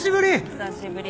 久しぶり。